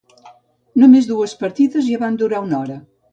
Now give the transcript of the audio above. Només dues partides ja van durar una hora.